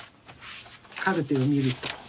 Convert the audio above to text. カルテを見ると。